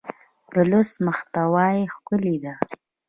د لوست محتوا ښکلې ده.